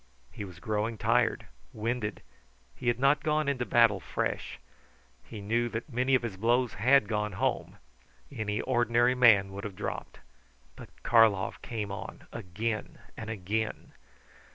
He was growing tired, winded; he had not gone into battle fresh. He knew that many of his blows had gone home. Any ordinary man would have dropped; but Karlov came on again and again.